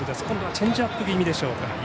今度はチェンジアップ気味でしょうか。